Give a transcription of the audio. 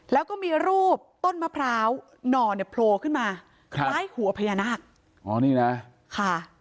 แล้วก็มีรูปต้นมะพร้าวหน่อเนี่ยโพสต์ขึ้นมาคล้ายหัวพญานาค